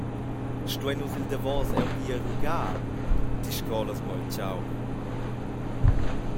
Stuein nus il davos aunc ir a rugar? –Ti scrolas mo il tgau!